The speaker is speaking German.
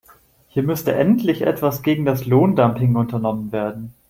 Hier müsste endlich etwas gegen das Lohndumping unternommen werden.